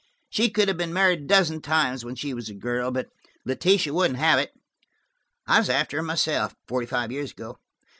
She could have been married a dozen times when she was a girl, but Letitia wouldn't have it. I was after her myself, forty five years ago.